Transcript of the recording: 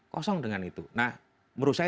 kosong dengan itu nah menurut saya